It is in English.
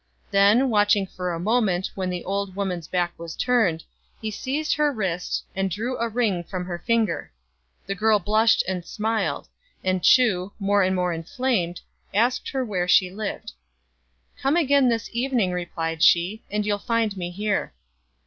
Then, watching for a mo ment when the old woman's back was turned, he seized her wrist and drew a ring from her ringer. The girl blushed and smiled ; and Chu, more and more inflamed, asked her where she lived. " Come again this evening," replied she, "and you'll find me here."